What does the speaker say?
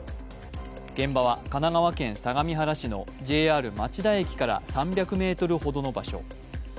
現場は神奈川県相模原市のＪＲ町田駅からＪＲ町田駅から３００ｍほどの場所。